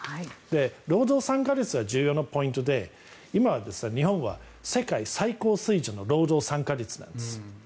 労働参加率は重要なポイントで今は日本は世界最高水準の労働参加率なんです。